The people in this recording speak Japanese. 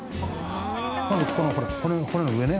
まずここのほら骨の上ね